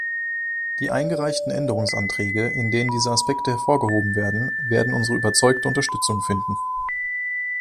Die eingereichten Änderungsanträge, in denen diese Aspekte hervorgehoben werden, werden unsere überzeugte Unterstützung finden.